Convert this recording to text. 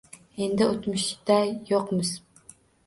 Endi o’tmishda yo’qmiz.